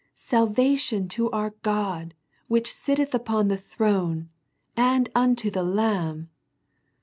Salvation to our God which sitteth upon the throne, and unto the Lamb.